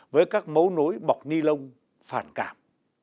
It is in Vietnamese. với các mấu nối bọc ni lông phản cảm